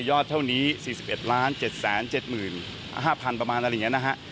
เท่านี้๔๑๗๗๕๐๐๐ประมาณอะไรอย่างนี้นะฮะ